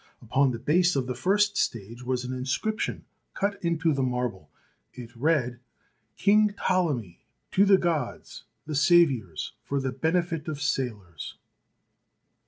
Upon the base of the first stage was an inscription cut into the marble. It read : 'King Ptolemy, to the Gods, the Saviours, for the Benefit of Sailors."